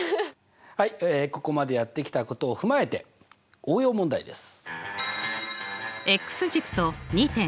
はいここまでやってきたことを踏まえて応用問題です。